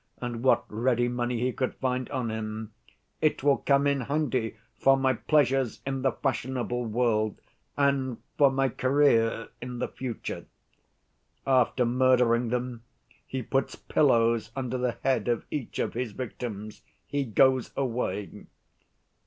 and what ready money he could find on him; 'it will come in handy for my pleasures in the fashionable world and for my career in the future.' After murdering them, he puts pillows under the head of each of his victims; he goes away.